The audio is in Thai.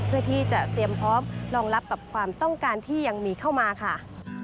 เพื่อที่จะเตรียมพร้อมรองรับกับความต้องการที่ยังมีเข้ามาค่ะ